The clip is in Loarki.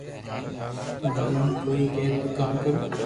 ماري من ڪوئي ڪي تو ڪنو ھي